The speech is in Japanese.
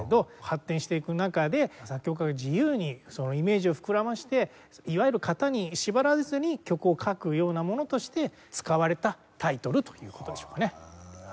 発展していく中で作曲家が自由にイメージを膨らませていわゆる型に縛られずに曲を書くようなものとして使われたタイトルという事でしょうかね。